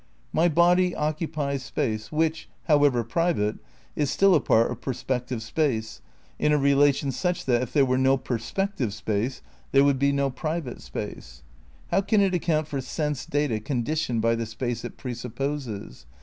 My body occupies space which, however private, is still a part of perspective space, in a relation such that if there were no perspective space there would be no private spaces. How can it account for sense data conditioned by the space it pre supposes?